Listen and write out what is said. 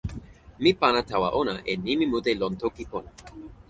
mi pana tawa ona e nimi mute lon toki pona.